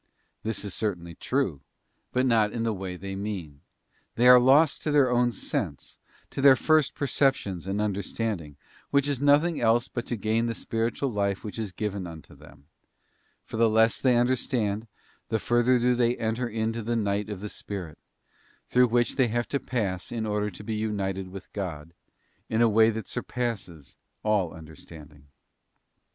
This is certainly true, but not in the way they mean: they are lost to their own sense, to their first perceptions and understanding, which is nothing else but to gain the spiritual life which is given unto them; for the less ~ they understand, the further do they enter into the night of the spirit, through which they have to pass in order to be united with God, in a way that surpasses all understanding. _ Secondsign.